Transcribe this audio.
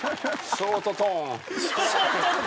ショートトーン！